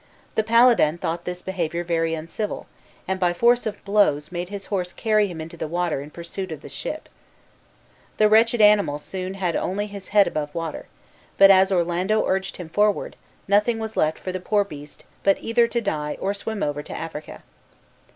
The paladin thought this behavior very uncivil; and by force of blows made his horse carry him into the water in pursuit of the ship. The wretched animal soon had only his head above water; but as Orlando urged him forward, nothing was left for the poor beast but either to die or swim over to Africa.